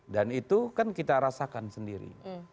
dan itu kan kita rasakan sendiri